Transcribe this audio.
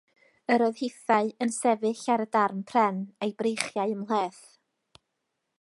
Yr oedd hithau yn sefyll ar y darn pren a'i breichiau ymhleth.